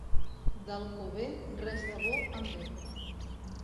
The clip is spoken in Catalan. D'Alcover res de bo en ve.